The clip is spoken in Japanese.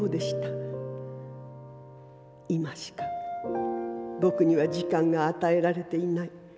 今しかぼくには時間があたえられていない。